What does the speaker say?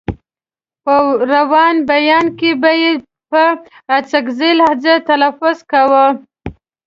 په روان بيان کې به يې په اڅکزۍ لهجه تلفظ کاوه.